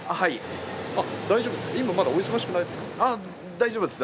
大丈夫ですか？